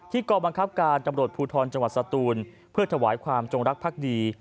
กรบังคับการตำรวจภูทรจังหวัดสตูนเพื่อถวายความจงรักภักดี